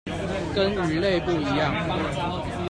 跟魚類不一樣